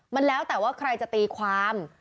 มันแล้วแต่ว่าใครจะตีความ